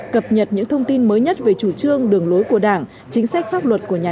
cập nhật những thông tin mới nhất về chủ trương đường lối của đảng chính sách pháp luật của nhà nước